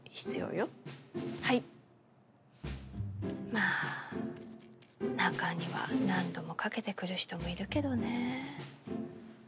まあ中には何度もかけてくる人もいるけどね。